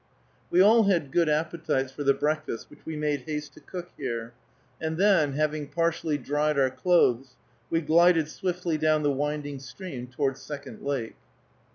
We all had good appetites for the breakfast which we made haste to cook here, and then, having partially dried our clothes, we glided swiftly down the winding stream toward Second Lake.